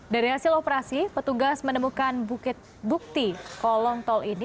dari hasil operasi petugas menemukan bukti kolong tol ini